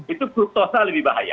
itu fructosa lebih bahaya